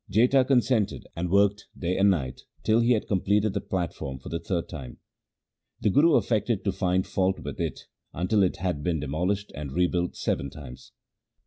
Jetha consented and worked day and night till he had completed the platform for the third time. The Guru affected to find fault with it until it had been demolished and rebuilt seven times.